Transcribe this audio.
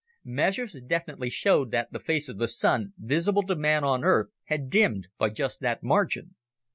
Measurements definitely showed that the face of the Sun visible to man on Earth had dimmed by just that margin.